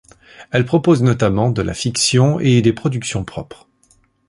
Elle propose notamment de la fiction et des productions propres.